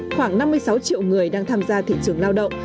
khoảng năm mươi sáu triệu người đang tham gia thị trường lao động